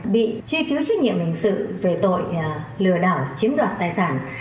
bị truy cứu trách nhiệm hình sự về tội lừa đảo chiếm đoạt tài sản